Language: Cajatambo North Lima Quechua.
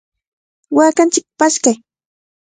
¡Waakanchikta paskay!